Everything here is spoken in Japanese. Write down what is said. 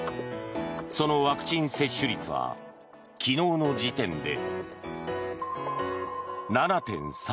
そのワクチン接種率は昨日の時点で７．３％。